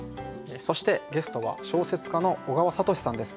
そしてゲストは小説家の小川哲さんです。